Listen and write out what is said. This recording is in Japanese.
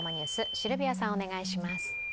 シルビアさんお願いします。